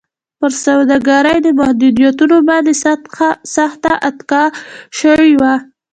پر سوداګرۍ د محدودیتونو باندې سخته اتکا شوې وه.